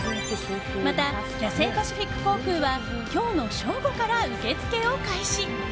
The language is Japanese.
またキャセイパシフィック航空は今日の正午から受け付けを開始。